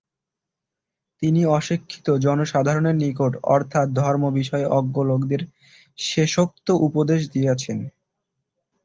তিনি অশিক্ষিত জনসাধারণের নিকট অর্থাৎ ধর্মবিষয়ে অজ্ঞ লোকদের শেষোক্ত উপদেশ দিয়াছেন।